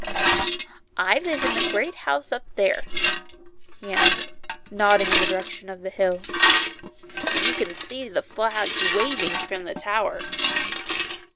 " I live at the great house up there," he answered, nodding in the direction of the hill. " You can see the flag waving from the tower."